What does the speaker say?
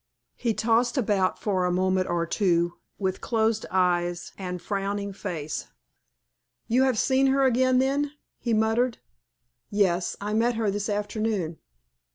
He tossed about for a moment or two with closed eyes and frowning face. "You have seen her again, then?" he muttered. "Yes; I met her this afternoon."